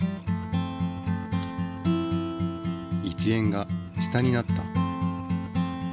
１円が下になった。